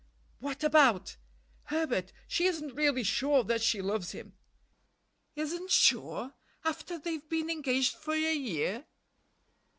"What about?" "Herbert, she isn't really sure that she loves him." "Isn't sure! After they've been engaged for a year!"